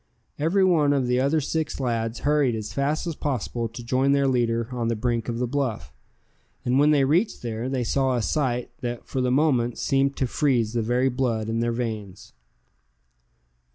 Every one of the other six lads hurried as fast as possible to join their leader on the brink of the bluff; and when they reached there, they saw a sight that for the moment seemed to freeze the very blood in their veins.